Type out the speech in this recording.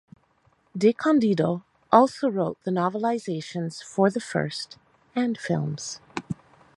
DeCandido also wrote the novelizations for the first and films.